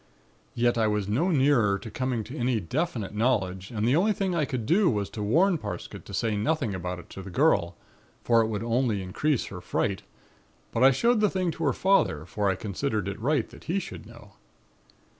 Yet I was no nearer to coming to any definite knowledge and the only thing I could do was to warn Parsket to say nothing about it to the girl for it would only increase her fright, but I showed the thing to her father for I considered it right that he should know.